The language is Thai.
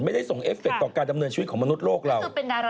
ไม่ได้ส่งเอฟเคต่อการดำเนินชีวิตของมนุษย์โลกเรา